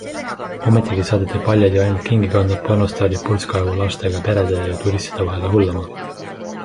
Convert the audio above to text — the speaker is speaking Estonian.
Ometigi saadeti paljad ja ainult kingi kandvad pornostaarid purskaevu lastega perede ja turistide vahele hullama.